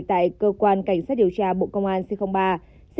tại cơ quan cảnh sát điều tra bộ công an c ba